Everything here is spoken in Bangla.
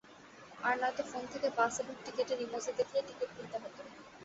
আর নয়ত ফোন থেকে বাস এবং টিকেটের ইমোজি দেখিয়ে টিকেট কিনতে হত।